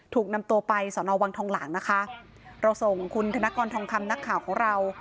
ถูกนำตัวไปสอนอวังทองหลังนะคะเราส่งคุณธนกรทองคำนักข่าวของเรา